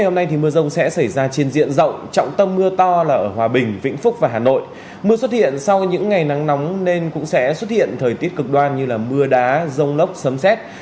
mưa xuất hiện sau những ngày nắng nóng nên cũng sẽ xuất hiện thời tiết cực đoan như là mưa đá rông lốc sấm xét